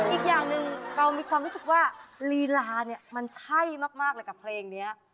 อีกอย่างหนึ่งเรามีความรู้สึกว่าลีลาเนี่ยมันใช่มากเลยกับเพลงนี้